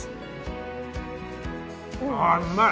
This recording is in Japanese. あうまい！